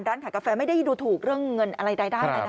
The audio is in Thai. ด้านขาดกาแฟไม่ได้ดูถูกเรื่องเงินอะไรได้